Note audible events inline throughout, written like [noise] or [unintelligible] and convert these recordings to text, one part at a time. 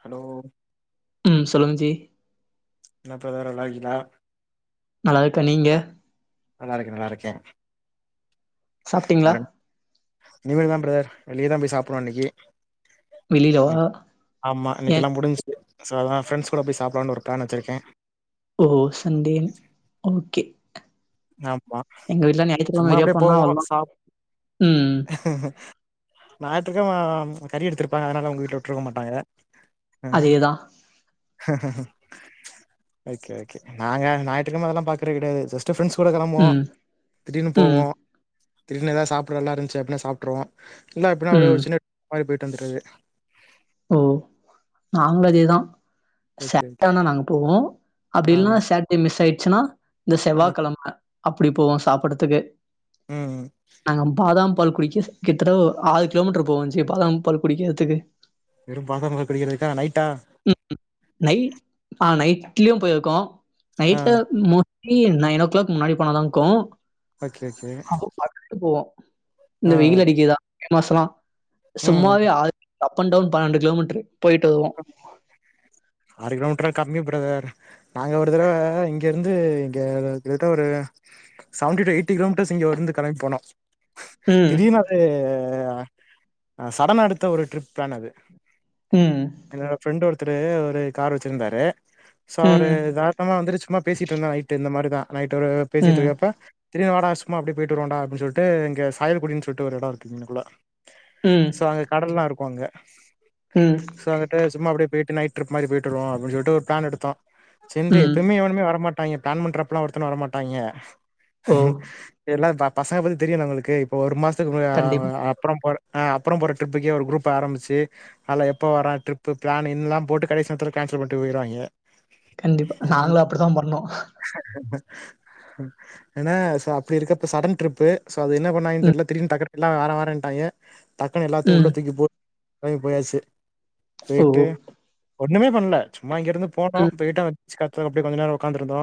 Hello உம் சொல்லுங்க ஜி மற்ற எல்லாரும் நல்லா இருக்கீங்களா நல்லா இருக்கேன் நீங்க நல்லா இருக்கேன் நல்லா இருக்கேன் சாப்ட்டீங்களா இனிமேதா பிரதர் வெளியதா போய் சாப்டனு இன்னக்கி வெளிலவா இன்னக் ஆமா இன்னக்கி ஏன் எல்லா முடிஞ்ச்சு சோ அதா ப்ரெண்ட்ஸ் கூட போய் சாப்பட்லான்னு ஒரு ப்ளான் வச்சிருக்கே ஓ சண்டேன் ஓகே ஆமா எங்க வீட்ல ஞாயித்துக்கிழம சும்மா வெளிய அப்பிடியே போனா போவோ அவ்ளோதா சாப் ம் ஞாயிற்றுக்கிழம ம் கறி எடுத்திருப்பாங்க அதனால உங்க வீட்ல விட்ருக்க மாட்டாங்க அதேதா ஓகே ஓகே நாங்க ஞாயிற்றுக்கெழம அதெல்லா பாக்குறது கெடையாது ஜஸ் ட்டு ஃப்ரெண்ட்ஸ் கூட கெளம்புவோ ம் திடீர்னு ம் போவோ திடீர்னு எதாவது சாப்பட நல்லா இருந்துச்சு அப்டினா சாப்ட்ருவோ இல்ல அப்பிடினா ஒரே ம் ஒரு சின்ன வாங்கிட் போய்ட் ட்டு வந்தர்றது ஓ நாங்களு அதேதா சே ஓகே ஓகே [inaudible] நாங்க போவோ அப்டி ஆ இல்லனா சேட்டர்டே மிஸ் ஆயிடு ச்சுனா இந்த ஆ செவ்வாக் கெழம அப்பிடி போவோ சாப்படறதுக்கு ம் ம் பால் குடிக்க கிட்தட்ட ஒ ஆறு கிலோமீட்டர் போவோ ஜி பாதாம் பால் குடிக்கிறதுக்கு வெறும் பாதாம் பால் குடிக்கிறதுக்கா நைட்டா லயு போயிருக்கோ ஆ நைட்ல மோ லயு நைன் ஓ கிளாக் முன்னாடி போனாதா ஓகே ஓகே இர்க்கு [inaudible] போவோ இல்ல ஆ வெயில் அடிக்கிதா மே மாசல்லா ம் சும்மாவே ஆ அப் அண்ட் டவுன் பன்னெண்டு கிலோமீட்ரு போயிட்டு வருவோ ஆறு கிலோமீட்ருலா கம்மி பிரதர் நாங்க ஒரு தடவ இங்க இருந்து இங்க கிட்டத்தட்ட ஒரு செவன்டி டு எயிட்டி கிலோமீட்டர்ஸ் இங்க இருந்து கெளம்பி போனோ ம். திடீர்னு ஒரு ஆ சடனா எடுத்த ஒரு ட்ரிப் பிளான் அது ம். என்னோட ஃப்ரெண்ட் ஒரு த்தரு ஒரு கார் வச்சிருந்தாரு சோ அவரு ம். எதார்த்தமா வந்துட்டு சும்மா பேசிட்டு இருந்தோ நைட்டு இந்த மாரிதா நைட்டு ஒரு பேசிட்டு ம். இருக்கப்ப திடீர்னு வாடா சும்மா அப்டியே போயிட்டு வருவோண்டா அப்டினு சொல்ட்டு இங்க சாயல்குடின்னு சொல்ட்டு ஒரு எடோ இருக்கு இங்கனக்குள்ள ம். சோ அங்க கடல்லா இரு க்கு அங்க ம். சோ வந்துட்டு சும்மா அப்டியே போயிட்டு நைட் ட்ரிப் மாரி போயிட்டு வருவோ அப்டினு சொல்ட்டு ஒரு ப்ளான் எடுத்தோ செரின்ட்டு ம். எப்பவுமே எவனுமே வரமாட் டாய்ங்க ப்ளான் பண்றப்பல்லா ஒருத்தனு வரமாட்டாய்ங்க ஓ! எல்லா பா பசங்க பத்தி தெரியு நம்மளுக்கு இப்ப ஒரு மாச த்துக்கு ஆ கண்டிப்பா, அப்புறம் போற ஆ அப்புறோ போற ட்ரிப்புக்கே ஒரு குரூப் ஆரம்பிச்சி அதுல எப்போ வர ட்ரிப்பு பிளானு என்னல்லா போட்டு கடைசி நேரத்துல கேன்சல் பண்ட்டு போயிருவாய்ங்க கண்டிப்பா நாங்களு அப்பிடிதா பண்ணோ ஏன்னா சோ அப்டி இருக்கப்ப சடன் ட்ரிப்பு சோ அது என்ன பண்ணாங்கன்னு தெர்ல திடீர்னு டக்குன்னு எல்லா வார வாரன்ட்டாய்ங்க டக்குனு எல்லாத்தையு உள்ள ம். தூக்கி போ கெளம்பி போயாச்சு ஓ! போயிட்டு ஒண்ணுமே பண்ல சும்மா இங்கிருந்து போனோ ம். போய்ட்டு அந்த பீச் காத்துல அப்டியே கொஞ்ச நேரோ உக்காந்துருந்தோ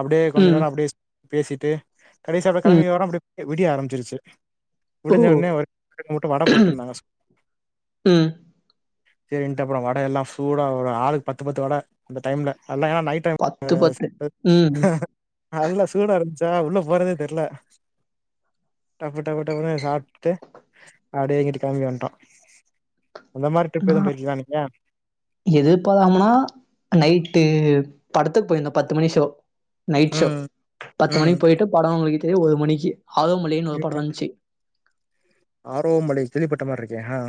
அப்டியே கொஞ்ச ம். நேரோ அப்டியே பேசிட்டு கடைசியா அப்ப ம். கெளம்பி வரோ அப்டி அ விடிய ஆரம்பிச்சிருச்சு ஓ! முடிஞ்ச ஒன்னே ஒரு [inaudible] மட்டும் வட போட்டுட்டு இருந்தாங்க ம். சரின்ட்டு அப்புறம் வட எல்லாம் சூடா ஒரு ஆளுக்கு பத்து பத்து வட அந்த டைம்ல அதல்லா ஏன் நைட் டைம் ம். ஆ நல்லா சூடா இருன்ச்சி த உள்ள போறதே தெர்ல டப்பு டப்பு டப்புன்னு சாப்ட்டு அப்டே இங்குட்டு கெளம்பி வண்ட்டோம் அந்த மாரி டிரிப் எதுவும் போயிருக்கிங்களா நீங்க எதிர்பாதம்னா நைட்டு படத்துக்கு போ இன்னோ பத்து மணி ஷோ நைட் ஷோ ம் பத்து மணிக்கு ம் போயிட்டு படம் முலிகிட் தே ஒரு மணிக்கு ஆரோமலேன்னு ஒரு படம் வந்துச்சி ஆரோவ மலை கேள்விப்பட்ட மாரி இருக்கே ஆ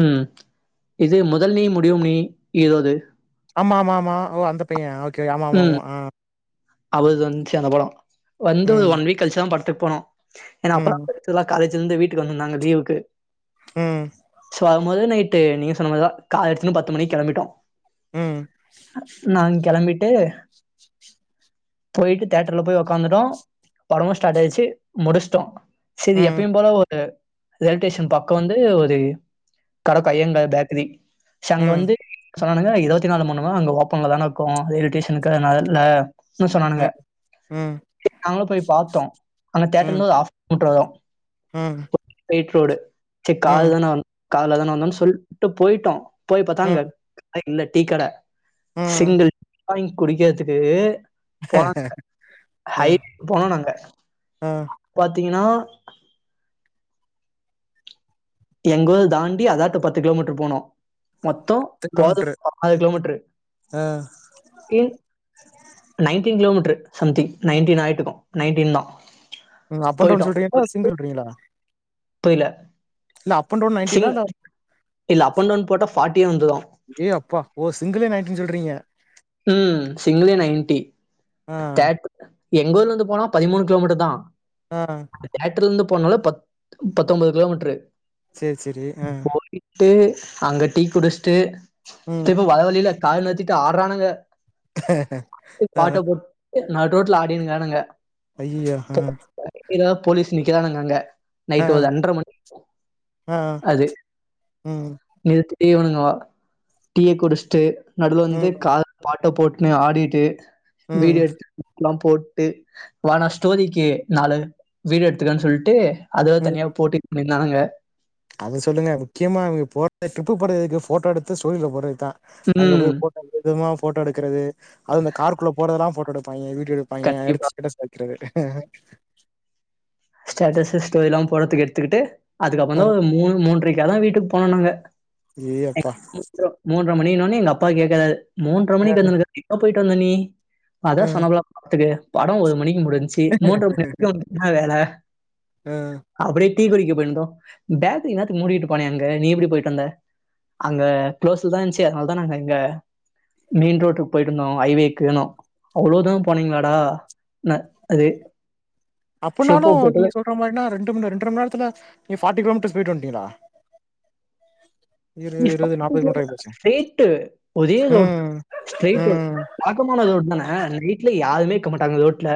ம் இது முதல் நீ முடிவும் நீ எதோ இது ஆமா ஆமா ஆமா ஓ அந்த பையன் ஓக் க்கு ஆமா ஆமா ஆமா ஆ அப அது வந்ச்சி அந்த படம் வந்து ஒரு ம் ஒன் வீக் கழிச்சி தா படத்துக்கு போனோம் ஏனா ம் அப்பலா [inaudible] காலேஜி ல இருந்து வீட்டுக்கு வந்துருந்தாங்க லீவுக்கு ம் து வரமோது நைட்டு நீங்க சொன்ன மாரிதா கார் எடுத்துனு பத்து மணிக்கு கெளம்பிட்டோம் ம் டு போயிட்டு தேட்டர்ல போய் உக்காந்துட்டோம் படமும் ஸ்டார்ட் ஆயிடுச்சி முடிச்சிட்டோம் செரி ம் எப்பையும் போல ஒ ரு ரைல்டேஷன் பக்கம் வந்து ஒரு கடக்கு ஐயங்கார் பேக்கிரி ச அங்க ம் வந்து சொன்னானுங்க இருவத்தி நாலு மணுமா அங்க ஓப்பன்ல தான இருக்கும் ரயில்வே ஸ்டேஷனுக்கு நா இல்ல னு சொன்னானுங்க ம் ம் நாங்களும் போய் பாத்தோம் அங்க ம் தேட்டர்லனு ஒரு ஆஃப் [unintelligible] ம் தோடு சேரி ம் கார்லதான வந் கார்லதான வந்தோனு சொல்ட்டு போய்ட்டோ போய் பாத்தா அங்க ம் [inaudible] இல்ல டீ கட ம் சிங்கிள் [inaudible] குடிக்கிறதுக்கு போனோ நாங்க அ ஹைவேக்கு போனோ நாங்க அ பாத்தீங்கனா [inaudible] எங்க ஊர் தாண்டி அதாட்டு பத்து கிலோமீட்ரு போனோ மொத்தோ த்ரீ போறதுக்கு கிலோமீட்ரு [inaudible] கிலோமீட்ரு [inaudible] அ nineteen kilometre something nineteen ஆயிட்ருக்கு நைன்டீன்தா நீங்க அப் அண்ட் டவுன் சொல்றீங்களா சிங்கிள் சொல்றீங்களா புரியில இல்ல அப் அண்ட் டவுன் நைன்டீனா இல்ல இல்ல அப் அண்ட் டவுன் போட்டா யே வந்துரும். ஏ அப்பா ஓ சிங்கிளே நைன்டீன் சொல்றீங்க ம் சிங்கிளே ஓகே. நைன்டி ஆ தேட் எங்க ஊர்ல இருந்து போனா பதிமூணு கிலோமீட்ருதா ஆ ட்ருந்து போனனால பத் பத்தொம்போது கிலோமீட்ரு சேரி சேரி ஆ அங்க டீ குடிச்சுட்டு ம் திரும்ப வர வழியில காருல கத்திட்டு ஆட்றானுக அ ஆ டு நட் ரோட்ல ஆடினு இருக்கானுக ஐயயோ ஆ என்னனா போலீஸ் நிக்கிறாங்க அங்கங்க ஆ நைட்டு ஒரு ரெண்ட்ர மணி இருக்கு ஆ அது ம் நிறுத்தி இவனுங்க வ டீய குடுச்ட்டு நடுலந்து ம் கா ஆட்டப் போட்னு ஆடிட்டு ம் வீடியோ எடுத்துட்லாம் போட்டு வான ஸ்டோரிக்கு நாலு வீடீயோ எடுத்துக்கன் சொல்ட்டு அதுவா தனியா போட்டு நின் னானுங்க அது சொல்லுங்க முக்கியமா அவிங்க போட்ட ட்ரிப்பு போறது எதுக்கு ஃபோட்டோ எடுத்து ஸ்டோரில போட்றதுக் தா அங்க ம். போய் ஃபோட்ட எத்தமா ஃபோட்டோ எடுக்குறது அது அந்த கார்குள்ள போறதெல்லா ஃபோட் டோ எடுப்பாய்ங்க வீ டியோ எடுப்பாய்ங்க கண்டிப்பா. எடுத்து ஸ்டேட்டஸ் வக்கிறது ஆஹ ஸ்டேட்டஸு ஸ்டோரிலா போறத்துக்கு எடுத்துக்கிட்டு ஆ அதுக்கப்றந்தா தா ஒரு மூணு மூன்ற க்கதா வீட்டுக் போனோ நாங்க ஏ அப்பா ற மணினோன எங்க அப்பா கேக்குறாரு மூன்ற அ மணிக்கு வந்துருக்க [unintelligible] போய்டு வந்த நீ அ அத சொன்னாபுல பாத்துக்க படொ ஒரு மணிக்கு முடு ஞ்ச்சி மூன்ற மணி வரைக்கு உனக்கு இன்னா வேல அ அப்புடியே டீ குடிக்க போயிருந்தோ பேக்ரி இன்னேத்துக்கு மூடிட்டுப்பானே அங்க நீ எப்டி போயிட்டந்த அங்க குளோஸ்ல தா இந்ச்சு அதுனால தா நாங்க அங்க மெயின் ரோட்டுக் போயிட்டு வந்தோ ஐவேக்குனோ அவ்ளோ தூரொ போனீங்ளாடானாரு அப்பன்னாலு நீங்க சொல்ற மாரினா ரெண்டு ரெண்ர மண் நேரத்துல நீங்க ஃபாட்டி கிலோமீட்டர்ஸ் போயிட்டு வன்ட்டீங்களா [unintelligible] ரேட்டு ஒரே ரோடு ம் ஸ்ட்ரெயிட்டு ம் பாக்கமா ரோடுதான நை ட்ல யாருமே இருக்கமாட்டாங்க ரோட்ல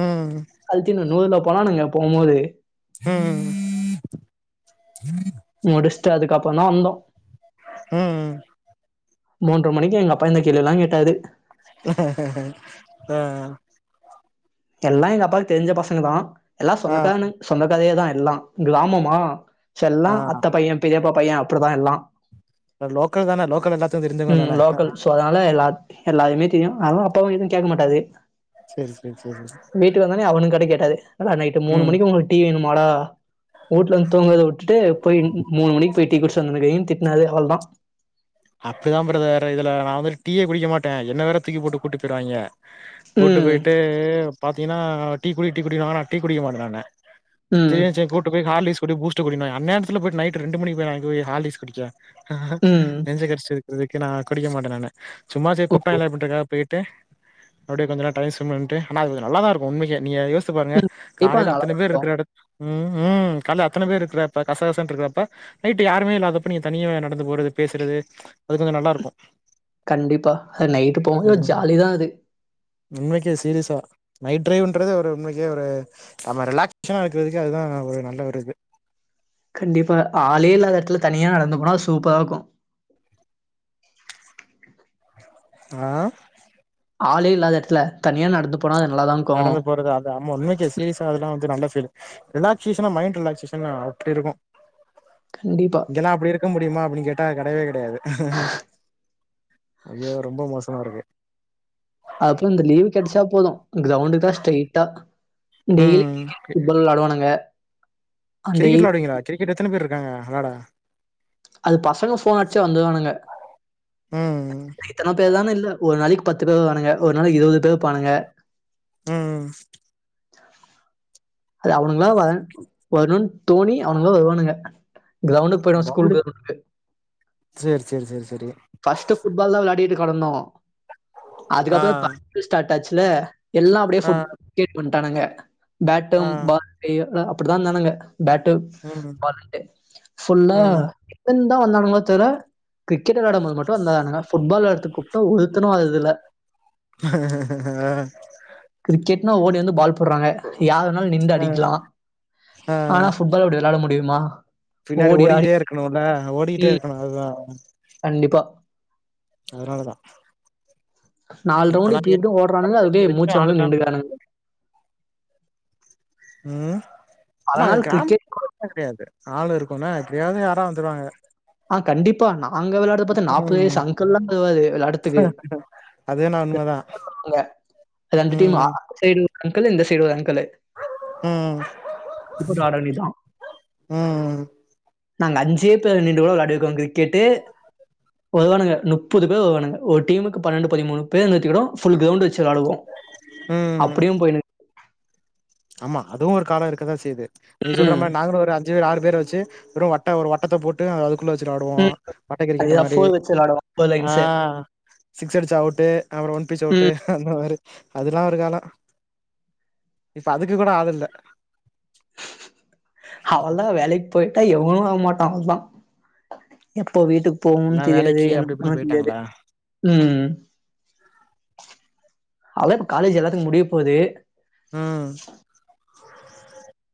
ம் அல்தின்னு நூறுலப் போனானுங்க போபோது ம் ம் முடிச்ட்டு அதுக்க அப்புறோதா வந்தோ ம் ம் மூன்ற மணிக்கு எங்க அப்பா இந்த கேள்ளில்லா கேட்டாறு ஆ எல்லா எங்க அப்பாக்கு தெரிஞ்ச பசங்கதா எல்லா ஆ சொந்தக்காரனு சொந்த கதையேதா எல்லா கிராமமா செல்லா ஆ அத்த பைய பெரியப்பா பைய அப்புடிதா எல்லா ஆ லோக்கல் தான லோக்கல் எல்லாத்துக்கு தெரிஞ்சவங்க ம் தான லோக்கல் சோ அதனால எல்லா எல்லாரியுமே தெரியு அவ அப்பாவ கேக்க மாட்டாது சே சே வீட்டுக்கு வந்தனே அவனுகா கேட்டாரு ஆனா நைட்டு மூணு ம் மணிக்கு உங்களுக்கு டீ வேணும்மாடா வந்து தூங்கரதவுட்டு போய் மூணு மணிக்கு போய் டீ குடிச்சுட்டு வந்துருக்கிங்க தி ன்னாரு அவ்ளோதா அப்பிடிதா பிரதர் இதுல நா வந்து டீயே குடிக்கமாட்டே என்ன வேற தூக்கி போட்டு கூட்டி போயிருவாங்க கூட்டு ம். போயிட்டு பாத்தீங்கன்னா டீ குடி டீ குடி டீ குடிக்கமாட்டே நானு ம். திரேச்சே கூட்டி போய் ஹாலிக்ஸ் குடி பூஸ் ட்டு குடினா அன்நேரத்துல போய்ட்டு நைட் ரெண்டு மணி போயி அங்க போயி ஹாலிக்ஸ் குடிக்க ஆஹ் ம். டேக்க இருக்கிற வரைக்கு நா குடிக்க மாட்டே நானு சும்மாசே கூப்ட்டாங்களே அப்பிடின்றகாக போய் ட்டே அப்பிடியே கொஞ்ச டைம் பண்ட்டு ஆன கொஞ்சோ நல்லதா இருக்கு உண்மேகே நீ அத யோசி ச்சிபாருங்க கண்டிப்பா அது காலையில அத்தன நல்லாதான் பேர் இருக்கும். இருக்கிற எடத் ம் ம் கால அத்தன பேர் இருக்கிறாப்பா கசகச இருக்காப்பா நைட்டு யாமே இல்லாதப்ப நீங்க தனிய நடந்து போறது பே றது அது கொஞ்சோ நல்லா இருக்கு கண்டிப்பா அது நைட்டு போகு ம் ஜாலிதா அது உண்மைக்கே சீரியஸா நைட் டிரைவ்ன்றது ஒரு உண்மைக்கே ஒரு நம்ம ரிலாக்சேஷனா இருக்கிறதுக்கே அதுதா ஒரு நல்ல ஒரு இது கண்டிப்பா ஆலே இல்லாத எடத்துல தனியா நடந்து போனா சூப்பரா இக்கு ஆ ஆளே இல்லாத எடத்துல தனியா நட நடந்து போறது அது ஆமா உண்மைக்கே சீரிசா அதெல்லா வந்து நல்ல துடு ரிலாக்சேஷனா மைண்ட் ரிலாக்சேஷன்னா அப்டி இருக்கும் கண்டிப்பா. இங்கல்லா அப்டி இருக்க முடியுமா அப்டி கேட்டா கெடைவே கெ டயாது ஐயோ ரொம்ப மோச மா இருக்கு அப்புறம் இந்த லீவு கெடைச்சா போதும் கிரௌண்டு தா ஸ்ட்ரைட்டா டெய்லி ம் கிரிக்கெட் ஃபுட்பால் விளாடுவானுங்க கிரிக்கெட் விளாடுவிங்களா கிரிக்கெட் எத்தன பேர் இருக்காங்க வெளாட அது பசங்க ஃபோன் அடிச்சா வந்துருவானுங்க ம் இத்தன பேர் தான இல்ல ஒரு நாளைக்கு பத்து பேர் வருவானுங்க ஒரு நாளைக்கு இருவது பேர் இருப்பானுங்க ம் ம் அது அவனுங்கிலா வ வருணுன் தோணி அவனுங்கிளா வருவானுங்க கிரவுண்டுக்கு போயிடுவோம் ஸ்கூல் பௌளிங் கிரவுண்டுக்கு. சேரி சேரி சேரி சேரி பஸ்ட்டு ஃபுட்பால் தா விளா திட்டு கடந்தோம் ஆ அதுக்கப்புறம் ப [inaudible] ஸ்டார்ட் ஆச்சில்ல எல்லாம் அப்டே ஆ ஃபுட் கேட்டு வன்ட் டானுங்க ஆ பேட்டேம் பால் அய்யோ நா அப் அப்டிதா இருந்தானுங்க பேட்டு ம் பால் வெயிட்டு ஃபுல்லா ம் வந் தா ஒண்ணா இருக்குங்ளோ தெர்ல கிரிக்கெட் கட் ஆடும் போது மட்டும் வந்தா இன்னாங்க ஃபுட்பால் விளாடத்துக்கு கூப்ட்டோ ஒருத்தணும் வரதில்ல ஆ இன்னு ஓடி வந்து பால் போடறாங்க யாரு வேணாலும் நின்டு ஆ அடிக்கலா ஆ ஆனா புஃட்பால் அப்டி விளாட முடி மா பின்னாடி ஓடிக்கிட்டே இருக்கனுல்ல ஓடிக்கிட்டே ம். இருக்கனு அதா கண்டிப்பா அதனாலதா நாலு ரவுண்ட்டு இப்பல்லா இப்ப இப்படிய ஓடுறானுங்க அதுக்கே எதுக்குமே ஆள் மூச்சுவங்க இல்லாம நின்டுக்குறானுங்க உம் நாள் கிரிக்கெட் கிராமத்து [unintelligible] கெடயாது ஆள் இருக்கு போனா எப்டியாவது யாரா வந்துருவாங்க ஆ கண்டிப்பா நாங்க வெளயாடுற பாத்த நாப்பது வயசு ம் அங்கள்ல்லா வருவாரு வெளயாடத்துக்கு அது வேணா உண்மதா [unintelligible] ரெண்டு டீம்மா சைடு அங்கிள் இந்த சைடு வாங்க உம் இப்படி ஆட வேண்டியதுதான் உம் நாங்க அஞ்சே பேர் நின் கூட விளாடிருக்கோ கிரிக்கெட்டு வருவானுங்க முப்பது பேர்வருவானுங்க ஒரு டீமுக்கு பன்னிரெண்டு பதிமூனு பேரு புல் கிரவுண்ட் வச்சு ச்சு வெளாடுவோ ம் அப்டியு போயுனு ஆமா அதுவு ஒரு கால இருக்கதா செய்து நீங்க சொல்ற ம் மாரி நாங்களு ஒரு அஞ்சு பேரு ஆறு பேர் வச்சு ஒரு வட்ட ஒரு வட்டத்த போட்டு அதுக்கு குள்ள வச்சுட்டு ஆடுவோ ம் வட்ட கிரிக்கெட் அதுதான் மாரி ஃபோர் வச்சு விளாடுவோம் ஃபோர் ஆ லைன்ஸு சிக்ஸு அடுச்சா அவுட்டு அப்பறோ ஒன் பீச் அவுட்டு ம் அந்த மாரி அதெல்லா ஒரு காலோ இப்ப அதுக்கு கூட ஆள் இல்ல அவளதா வேலைக்கு போயிட்டா எவனு வர மாட்ட அவ்ளதா எப்போ வீட்டுக்கு எல்லா போகுன் தெரியாது வேலைக்கு அப்டி இப்டின்னு எனக்கு தெரியாது போயிட்டாங்களா உம் அதா இப்ப காலேஜ் எல்லாத்துக்கு முடிய போகுது உம்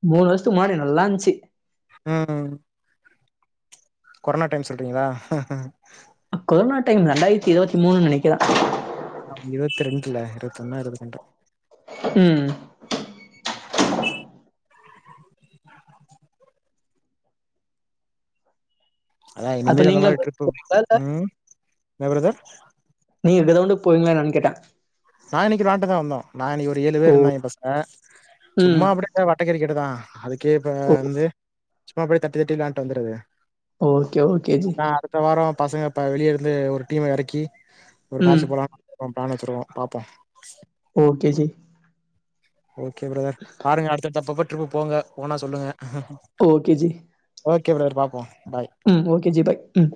மூனு வருஷத்துக்கு முன்னாடி நல்லா இருந்துச்சு உம் கொரானா டைம் சொல்றீங்ளா கொரோனா டைம் ரெண்டாயிரத்தி இருபத்தி மூனு நெனக்குறே ஆ இருபத்தி ரெண்டுல இருபத்து ஒன்னோ இருபத்தி ரெண்டோ உம் [unintelligible] இ அதா அப்போ இனிமேல் அந்த மாதிரி நீங்களும் ட்ரிப்பு போறீங்களா இல்ல? உம் என்ன பிரதர் இங்கருந்து போய்வீங்களா என்னனு கேட்டேன் சாய்னக்கு ராட்டு தான் வந்தோம் நான் இன்னைக்கு ஒரு ஏழு பேர் ஓ இருந்தாங்கே பசங்க ம் சும்மா அப்படியே வட்டைக்கறி கேட்டு தான் [unintelligible] கேட்டேன் ஓ வந்து சும்மா அப்படி தட்டி தட்டி விளையான்ட்டு வந்துருது ஓகே ஓகே ஜி பசங்க வெளியே இருந்து ஒரு டீம்ம ஏறக்கி ஒரு ம் மேச்சு போலாம் அப்புறம் பாணித்துருவும் பாப்போம் ஓகே ஜி ஓகே பிரதர் ஆடுங்க அடுத்தடுத்து அப்பப்ப ட்ரிப்பு போங்க போனா சொல்லுங்க ஓகே ஜி கே ப்ரோ பார்ப்போம் ம் ஓகே ஜி பாய் ம்